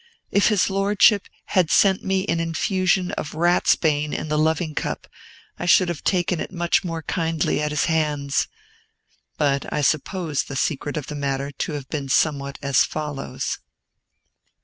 If his Lordship had sent me an infusion of ratsbane in the loving cup, I should have taken it much more kindly at his hands. But I suppose the secret of the matter to have been somewhat as follows.